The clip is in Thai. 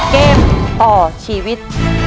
เกมต่อชีวิต